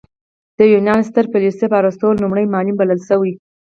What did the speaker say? د یونان ستر فیلسوف ارسطو لومړی معلم بلل شوی.